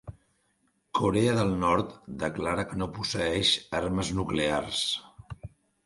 Corea del Nord declara que no posseïx armes nuclears